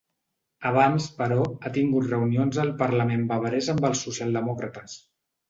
Abans, però, ha tingut reunions al parlament bavarès amb els socialdemòcrates.